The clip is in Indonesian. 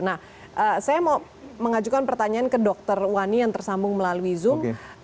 nah saya mau mengajukan pertanyaan ke dr wani yang tersambung melalui zoom